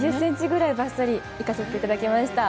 ２０ｃｍくらいばっさりいかせていただきました。